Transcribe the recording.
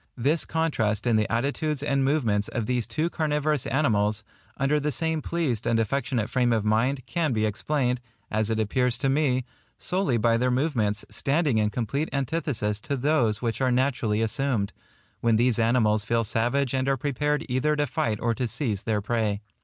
This contrast in the attitudes and movements of these two carnivorous animals, under the same pleased and affectionate frame of mind, can be explained, as it appears to me, solely by their movements standing in complete antithesis to those which are naturally assumed, when these animals feel savage and are prepared either to fight or to seize their prey.